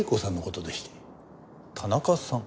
田中さん？